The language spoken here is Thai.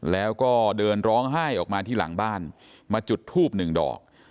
แล้วก็เดินร้องไห้ออกมาที่หลังบ้านมาจุดทูบหนึ่งดอก